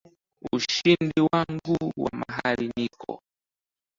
ushindi wangu wa mahali niko